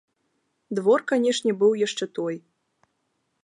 Двор, канешне, быў яшчэ той!